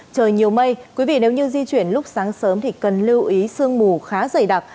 trời nhiều mây quý vị nếu như di chuyển lúc sáng sớm thì cần lưu ý sương mù khá dày đặc